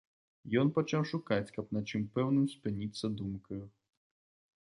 Ён пачаў шукаць, каб на чым пэўным спыніцца думкаю.